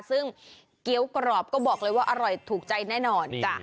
ซึ่งเกี้ยวกรอบก็บอกเลยว่าอร่อยถูกใจแน่นอนจ้ะ